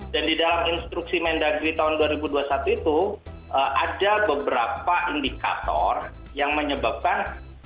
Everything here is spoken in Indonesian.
dan di dalam instruksi mendagri tahun dua ribu dua puluh satu itu ada beberapa indikator yang menyebabkan